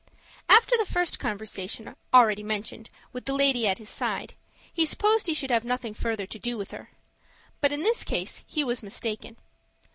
After the first conversation, already mentioned, with the lady at his side, he supposed he should have nothing further to do with her. But in this he was mistaken.